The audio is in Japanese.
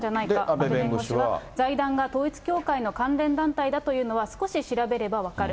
阿部弁護士は財団が統一教会の関連団体だというのは少し調べれば分かる。